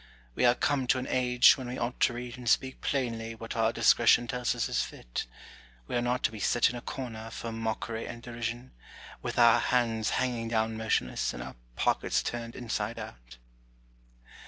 We are come to an age when we ought to read and speak plainly what our discretion tells us is fit : we are not to be set in a corner for mockery and derision, with our hands hanging down motionless, and our pockets turned inside out.